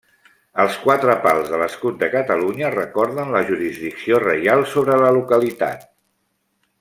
Els quatre pals de l'escut de Catalunya recorden la jurisdicció reial sobre la localitat.